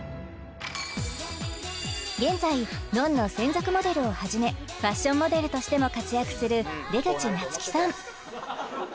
現在「ｎｏｎ−ｎｏ」専属モデルをはじめファッションモデルとしても活躍する出口夏希さん